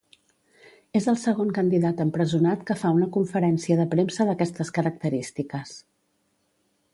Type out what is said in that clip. És el segon candidat empresonat que fa una conferència de premsa d’aquestes característiques.